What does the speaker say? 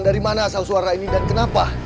dari mana asal suara ini dan kenapa